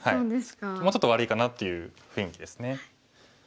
もうちょっと悪いかなという雰囲気ですね。